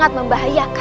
kita menemukan mereka